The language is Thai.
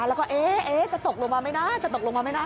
แล้วก็จะตกลงมาไหมนะจะตกลงมาไหมนะ